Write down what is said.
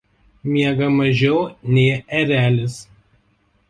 Miega mažiau nei erelis.